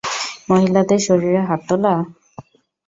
মহিলাদের শরীরে হাত তোলো?